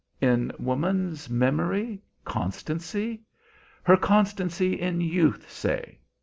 "In woman's memory, constancy, her constancy in youth, say?